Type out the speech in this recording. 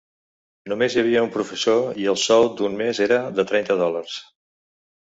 Només hi havia un professor i el sou d'un mes era de trenta dòlars.